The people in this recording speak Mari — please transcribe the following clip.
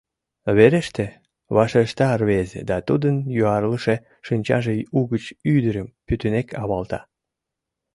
— Вереште, — вашешта рвезе, да тудын юарлыше шинчаже угыч ӱдырым пӱтынек авалта.